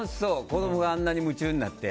子供があんなに夢中になって。